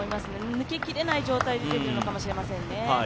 抜ききれない状態が出てきているのかもしれませんね。